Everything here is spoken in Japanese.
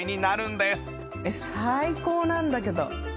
最高なんだけど。